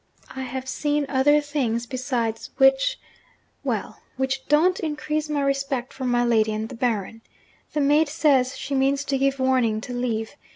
I have seen other things besides, which well! which don't increase my respect for my lady and the Baron. The maid says she means to give warning to leave.